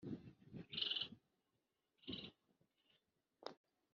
Uhoraho yahanantuye abakomeye abakura ku ntebe zabo,